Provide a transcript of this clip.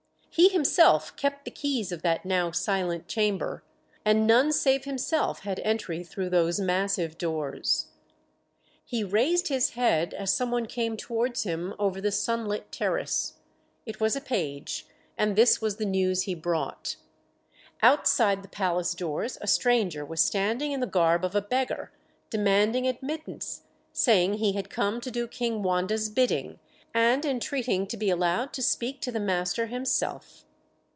He himself kept the keys of that now silent chamber, and none save himself had entry through those massive doors. He raised his head as some one came towards him over the sunlit terrace. It was a page, and this was the news he brought. Outside the palace doors a stranger was standing in the garb of a beggar, demanding admittance, saying he had come to do King Wanda's bidding, and entreating to be allowed to speak to the master himself.